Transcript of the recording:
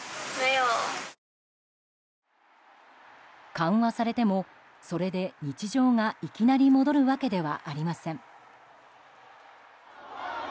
緩和されてもそれで日常が、いきなり戻るわけではありません。